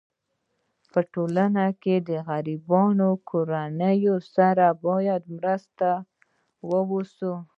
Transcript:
په ټولنه کي د غریبو کورنيو سره باید مرسته وسي.